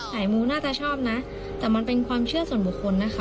หายมูน่าจะชอบนะแต่มันเป็นความเชื่อส่วนบุคคลนะคะ